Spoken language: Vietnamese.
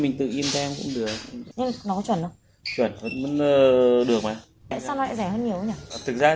mình có thể dùng cụ phụ tử này